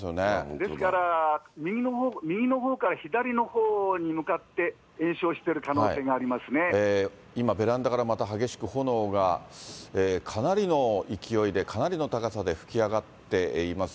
ですから、右のほうから左のほうに向かって、今、ベランダからまた激しく炎が、かなりの勢いで、かなりの高さで噴き上がっています。